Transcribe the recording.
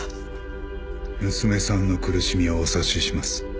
娘さんの苦しみはお察しします。